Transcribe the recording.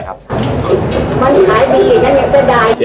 มันขายดีอย่างนั้นยังจะได้